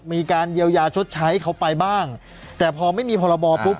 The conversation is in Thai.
มีการเยียวยาชดใช้เขาไปบ้างแต่พอไม่มีพรบปุ๊บ